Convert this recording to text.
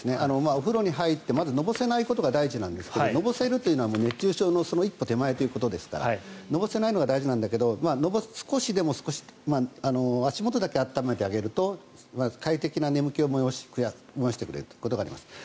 お風呂に入ってまずのぼせないことが大事なんですがのぼせるというのは熱中症の一歩手前ですからのぼせないのが大事なんだけど少しでも足元だけ温めてあげると快適な眠気を催してくれるということがあります。